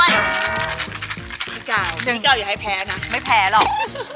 มีดูนมเหมือนพัสเธลนุ่มใจน่ารัก